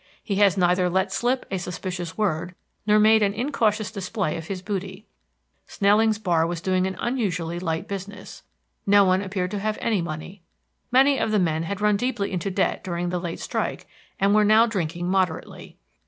He has neither let slip a suspicious word, nor made an incautious display of his booty. Snelling's bar was doing an unusually light business. No one appeared to have any money. Many of the men had run deeply into debt during the late strike, and were now drinking moderately.